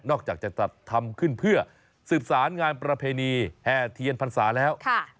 จากจะจัดทำขึ้นเพื่อสืบสารงานประเพณีแห่เทียนพรรษาแล้ว